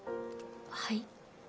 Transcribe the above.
はい？